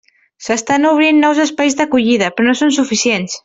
S'estan obrint nous espais d'acollida, però no són suficients.